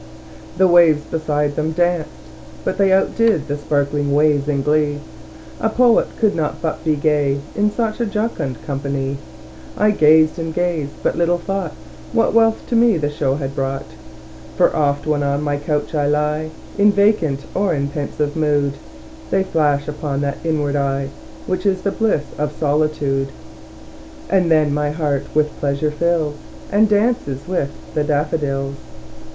The waves beside them danced; but they Outdid the sparkling waves in glee; A poet could not but be gay, In such a jocund company; I gazed and gazed but little thought What wealth to me the show had brought: For oft, when on my couch I lie In vacant or in pensive mood, They flash upon that inward eye Which is the bliss of solitude; And then my heart with pleasure fills, And dances with the daffodils.